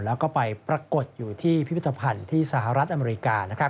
แล้วก็ไปปรากฏอยู่ที่พิพิธภัณฑ์ที่สหรัฐอเมริกา